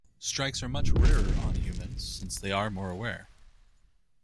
Strikes are much rarer on humans since they are more aware.